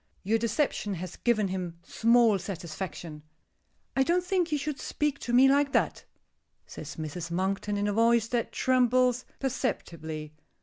Your deception has given him small satisfaction." "I don't think you should speak to me like that," says Mrs. Monkton, in a voice that trembles perceptibly.